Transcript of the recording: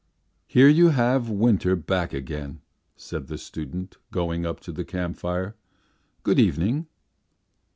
"Here you have winter back again," said the student, going up to the camp fire. "Good evening."